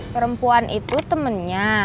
perempuan itu temennya